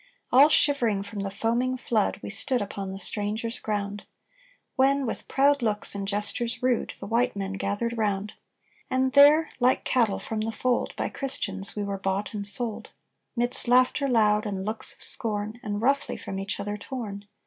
"All shivering from the foaming flood, We stood upon the strangers' ground, When, with proud looks and gestures rude, The white men gathered round: And there, like cattle from the fold, By Christians we were bought and sold, 'Midst laughter loud and looks of scorn And roughly from each other torn.